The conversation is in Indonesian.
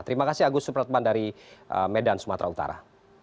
terima kasih agus supratman dari medan sumatera utara